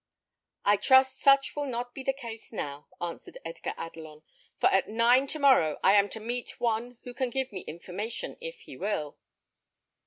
"I trust such will not be the case now," answered Edgar Adelon; "for at nine to morrow I am to meet one who can give me information if he will."